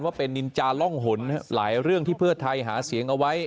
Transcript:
ว่าเป็นนินจาร่องหนหลายเรื่องที่เพื่อไทยหาเสียงเอาไว้